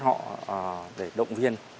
họ để động viên